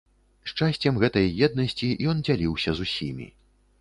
Шчасцем гэтай еднасці ён дзяліўся з усімі.